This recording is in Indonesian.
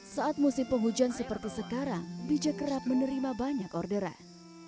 saat musim penghujan seperti sekarang bijak kerap menerima banyak orderan